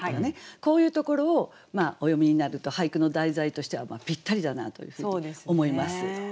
こういうところをお詠みになると俳句の題材としてはぴったりだなというふうに思います。